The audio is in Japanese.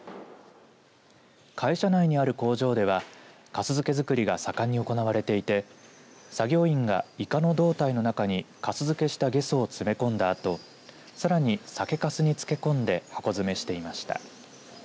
会社内にある工場ではかす漬け作りが盛んに行われていて作業員がいかの胴体の中にかす漬けしたげそを詰め込んだあとさらに、酒かすにつけこんで箱詰めしていました。